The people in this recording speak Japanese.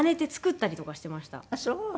ああそう。